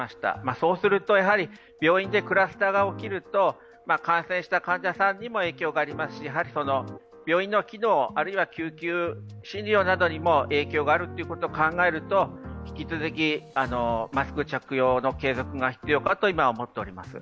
そうすると、病院でクラスターが起きると感染した患者さんにも影響がありますしやはり病院の機能、あるいは救急診療などにも影響があることを考えると、引き続きマスク着用の継続が必要かと今、思っております。